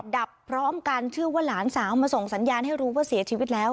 ดับพร้อมกันเชื่อว่าหลานสาวมาส่งสัญญาณให้รู้ว่าเสียชีวิตแล้ว